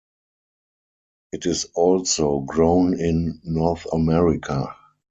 It is also grown in North America.